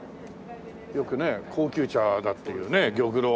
よくね高級茶だっていうね玉露。